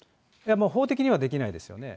法的にはできないですよね。